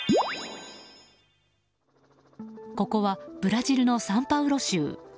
ここはブラジルのサンパウロ州。